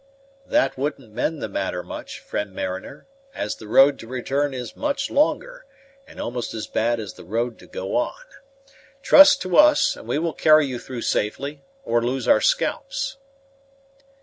"That wouldn't mend the matter much, friend mariner, as the road to return is much longer, and almost as bad as the road to go on. Trust to us, and we will carry you through safely, or lose our scalps."